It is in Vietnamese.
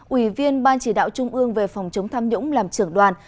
ủy viên ban chỉ đạo trung ương về phòng chống tham nhũng làm trưởng đoàn